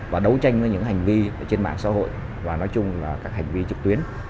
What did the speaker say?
và đấu tranh với những hành vi trên mạng xã hội và nói chung là các hành vi trực tuyến